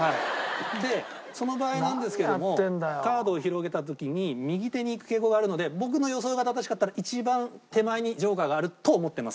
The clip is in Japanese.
でその場合なんですけどもカードを広げた時に右手にいく傾向があるので僕の予想が正しかったら一番手前にＪＯＫＥＲがあると思ってます